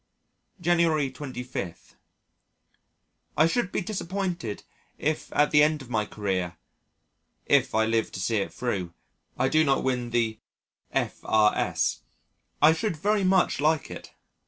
January 25. I should be disappointed if at the end of my career (if I live to see it through) I do not win the F.R.S. I should very much like it....